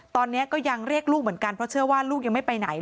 ตอนนี้ก็ยังเรียกลูกเหมือนกันเพราะเชื่อว่าลูกยังไม่ไปไหน